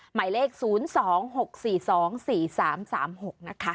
หมายเลข๐๒๖๔๒๔๓๓๖นะคะ